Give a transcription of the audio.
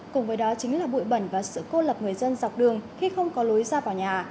cùng với đó chính là bụi bẩn và sự cô lập người dân dọc đường khi không có lối ra vào nhà